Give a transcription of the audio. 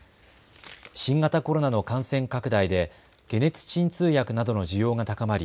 新型コロナの感染拡大で解熱鎮痛薬などの需要が高まり